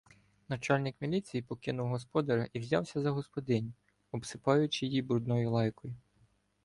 Начальник міліції покинув господаря і взявся за господиню, обсипаючи її брудною лайкою.